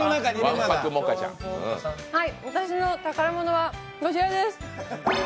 私の宝物はこちらです。